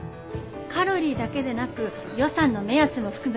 カロリーだけでなく予算の目安も含めて考えてみて。